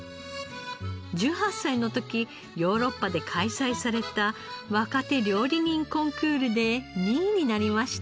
１８歳の時ヨーロッパで開催された若手料理人コンクールで２位になりました。